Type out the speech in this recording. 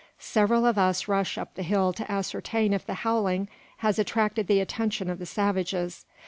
Several of us rush up the hill to ascertain if the howling has attracted the attention of the savages.